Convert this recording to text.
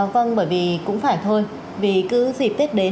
vâng bởi vì cũng phải thôi vì cứ dịp tết đến